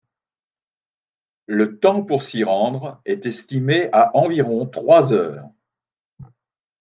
Le temps pour s'y rendre est estimé à environ trois heures.